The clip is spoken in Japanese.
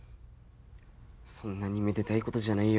そんなにめでたいことじゃないよ。